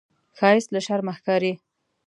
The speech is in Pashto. ښایست له شرمه ښکاري